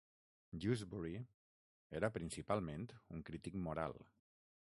Jewsbury era principalment un crític moral.